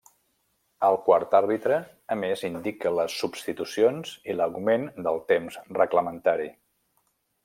El quart àrbitre a més indica les substitucions i l'augment del temps reglamentari.